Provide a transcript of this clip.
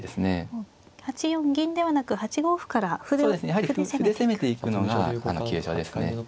やはり歩で攻めていくのが急所ですね。